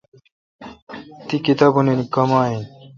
تی کتابونی کم این؟